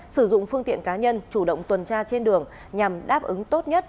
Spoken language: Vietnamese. sử dụng phương tiện cá nhân chủ động tuần tra trên đường nhằm đáp ứng tốt nhất